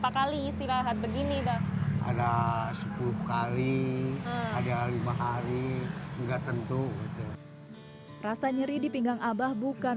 kali istirahat begini ada sepuluh kali ada lima hari enggak tentu rasa nyeri di pinggang abah bukan